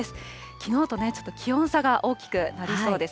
きのうとね、ちょっと気温差が大きくなりそうです。